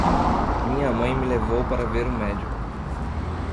Minha mãe me levou para ver um médico.